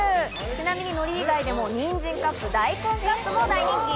ちなみに、のり以外でも、にんじんカップ、大根カップも大人気。